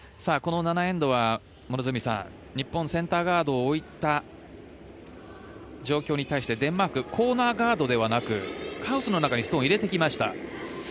この７エンドは日本センターガードを置いた状況に対してデンマークコーナーガードではなくハウスの中にストーンを入れてきました。